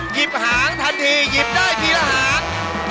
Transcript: หยิบหางทันทีหยิบได้ทีละหาง